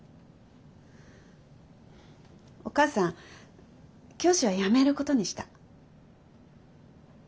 お母さん教師は辞めることにした。